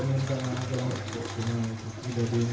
mengapa mereka tega menembak putrinya